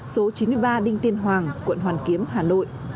số chín mươi ba đinh tiên hoàng quận hoàn kiếm hà nội